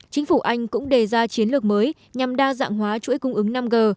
chính phủ anh cũng đề ra chiến lược mới nhằm đa dạng hóa chuỗi cung ứng năm g